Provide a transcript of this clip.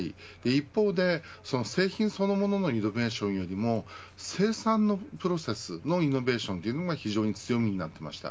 一方で製品そのもののイノベーションよりも生産のプロセスのイノベーションが非常に強みになっていました。